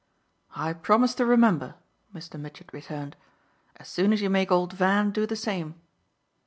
"I promise to remember," Mr. Mitchett returned, "as soon as you make old Van do the same."